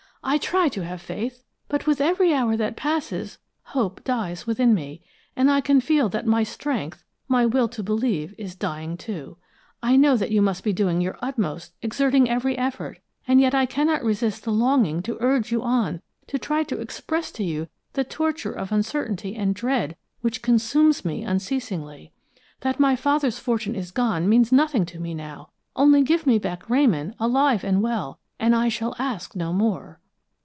I try to have faith, but with every hour that passes, hope dies within me, and I can feel that my strength, my will to believe, is dying, too. I know that you must be doing your utmost, exerting every effort, and yet I cannot resist the longing to urge you on, to try to express to you the torture of uncertainty and dread which consumes me unceasingly. That my father's fortune is gone means nothing to me now. Only give me back Ramon alive and well, and I shall ask no more!"